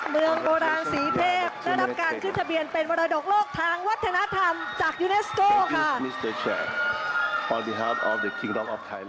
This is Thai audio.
เมืองโบราณสีเทพได้รับการขึ้นทะเบียนเป็นมรดกโลกทางวัฒนธรรมจากยูเนสโก้ค่ะ